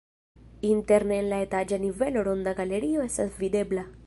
Interne en la etaĝa nivelo ronda galerio estas videbla.